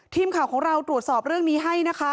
ทีมข่าวของเราตรวจสอบเรื่องนี้ให้นะคะ